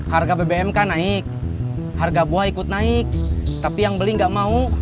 harga bbm kan naik harga buah ikut naik tapi yang beli nggak mau